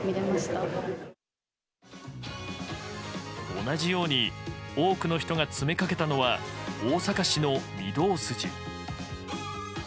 同じように多くの人が詰めかけたのは大阪市の御堂筋。